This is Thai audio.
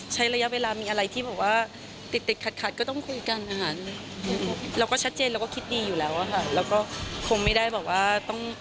สำหรับแพลนในทุกคนที่สอง